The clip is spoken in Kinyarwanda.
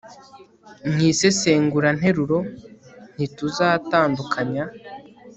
mu isesenguranteruro ntituzatandukanya